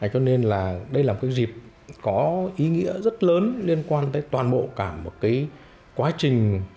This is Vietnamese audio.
cho nên là đây là một cái dịp có ý nghĩa rất lớn liên quan tới toàn bộ cả một cái quá trình